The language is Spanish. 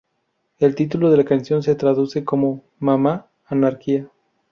El título de la canción se traduce como mamá anarquía.